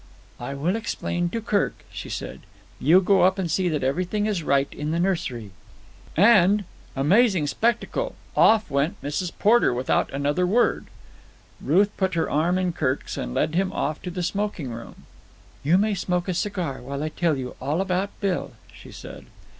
"I will explain to Kirk," she said. "You go up and see that everything is right in the nursery." And—amazing spectacle!—off went Mrs. Porter without another word. Ruth put her arm in Kirk's and led him off to the smoking room. "You may smoke a cigar while I tell you all about Bill," she said.